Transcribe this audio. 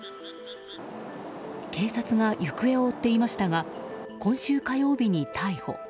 警察が行方を追っていましたが今週火曜日に逮捕。